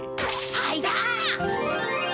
はいだ！